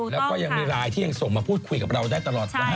แล้วก็ยังมีไลน์ที่ยังส่งมาพูดคุยกับเราได้ตลอดนะฮะ